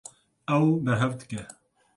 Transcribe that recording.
Ew berhev dike.